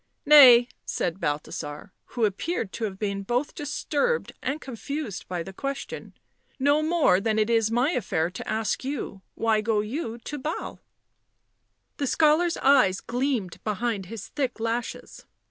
u Hay," said Balthasar, who appeared to have been both disturbed and confused by the question, " no more than it is my affair to ask you — why go you to Basle?" The scholar's eyes gleamed behind his thick lashes.